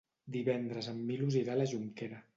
Divendres en Milos irà a la Jonquera.